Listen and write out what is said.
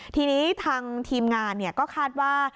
ทีนี้ทางทีมงานก็คาดว่า